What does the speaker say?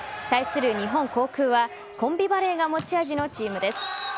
対する日本航空はコンビバレーが持ち味のチームです。